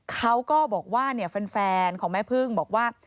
เขาก็บอกว่าแฟนของแม่พึ่งบอกว่า